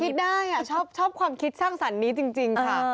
คิดได้ชอบความคิดสร้างสรรค์นี้จริงค่ะ